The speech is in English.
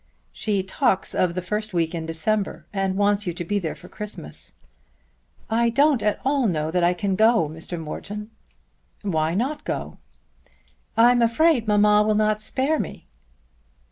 "She talks of the first week in December and wants you to be there for Christmas." "I don't at all know that I can go, Mr. Morton." "Why not go?" "I'm afraid mamma will not spare me."